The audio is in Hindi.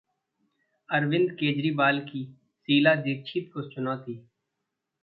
अरविंद केजरीवाल की शीला दीक्षित को चुनौती